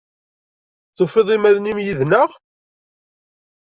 Tufiḍ iman-im yid-neɣ?